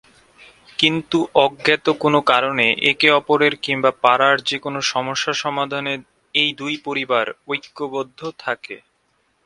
কিন্তু অজ্ঞাত কোন কারণে একে-অপরের কিংবা পাড়ার যেকোন সমস্যা সমাধানে এই দুই পরিবার ঐক্যবদ্ধ থাকে।